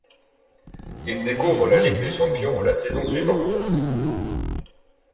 Il découvre la Ligue des champions la saison suivante.